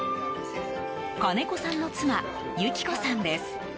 金子さんの妻裕紀子さんです。